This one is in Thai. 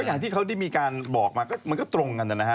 อย่างที่เขาได้มีการบอกมาก็มันก็ตรงกันนะฮะ